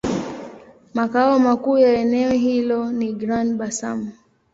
Makao makuu ya eneo hilo ni Grand-Bassam.